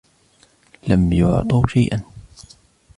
لم يعطوا شيئاً.